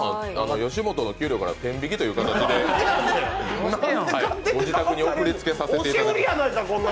よしもとの給料から天引きという形でご自宅に送りつけさせていただきます。